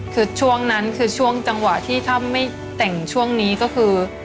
คือช่วงนั้นคือช่วงจังหวะที่ถ้าไม่แต่งช่วงนี้ก็คือ